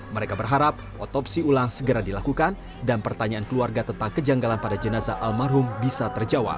mereka berharap otopsi ulang segera dilakukan dan pertanyaan keluarga tentang kejanggalan pada jenazah almarhum bisa terjawab